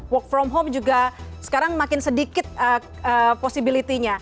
work from home juga sekarang makin sedikit posibilitinya